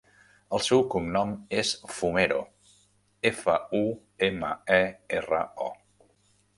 El seu cognom és Fumero: efa, u, ema, e, erra, o.